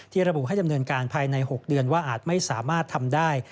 ระบุให้ดำเนินการภายใน๖เดือนว่าอาจไม่สามารถทำได้